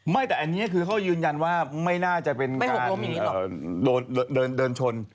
ไม่แต่อันนี้คือเขายืนยันว่าไม่น่าจะเป็นการเดินชน